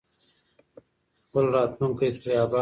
خپل راتلونکی پرې اباد کړو.